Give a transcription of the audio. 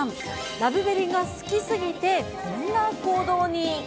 ラブベリが好きすぎて、こんな行動に。